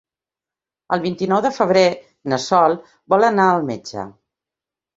El vint-i-nou de febrer na Sol vol anar al metge.